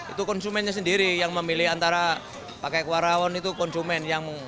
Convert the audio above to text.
itu konsumennya sendiri yang memilih antara pakai kuah rawon itu konsumen yang bikin nama itu